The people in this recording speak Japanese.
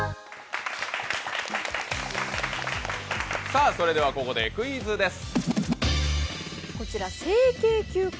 さぁ、それではここでクイズです。